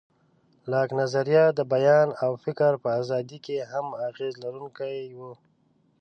لاک نظریه د بیان او فکر په ازادۍ کې هم اغېز لرونکی و.